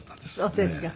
そうですか。